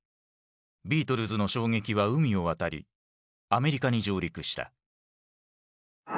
ビートルズの衝撃は海を渡りアメリカに上陸した。